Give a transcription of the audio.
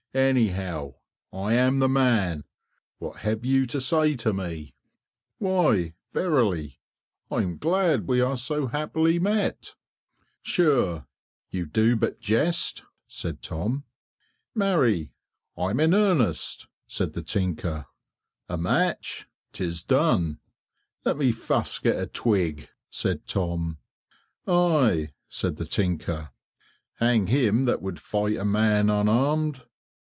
Anyhow, I am the man; what have you to say to me?" "Why, verily, I'm glad we are so happily met." "Sure, you do but jest," said Tom. "Marry, I'm in earnest," said the tinker. "A match?" "'T is done." "Let me first get a twig," said Tom. "Ay," said the tinker, "hang him that would fight a man unarmed."